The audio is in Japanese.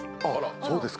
そうですか。